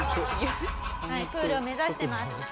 はいプールを目指してます。